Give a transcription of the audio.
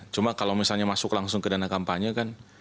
cuma kalau misalnya masuk langsung ke dana kampanye kan